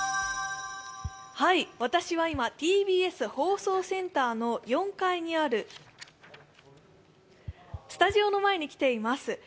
私は今ＴＢＳ放送センターの４階にあるスタジオの前に来ています。